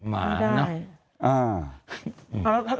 ไม่ได้